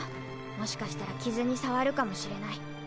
もしかしたら傷に障るかもしれない。